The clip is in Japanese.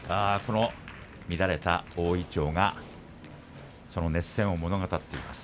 乱れた大いちょうが熱戦を物語っています。